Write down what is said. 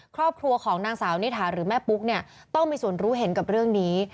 ครอบครัวของนางสาวนิถาหรือแม่ปุ๊กเนี่ยต้องมีส่วนรู้เห็นกับเรื่องนี้